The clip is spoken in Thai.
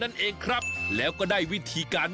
วันนี้พาลงใต้สุดไปดูวิธีของชาวเล่น